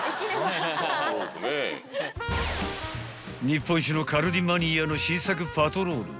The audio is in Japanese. ［日本一のカルディマニアの新作パトロール］